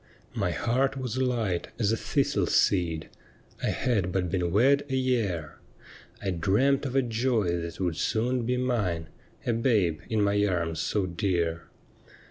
' My heart was light as a thistle seed —— I had but been wed a year — I dreamt of a joy that would soon be mine — A babe in my arms so dear.